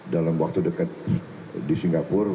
dalam waktu dekat di singapura